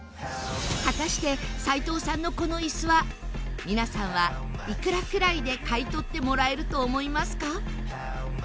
果たして斉藤さんのこの椅子は皆さんはいくらくらいで買い取ってもらえると思いますか？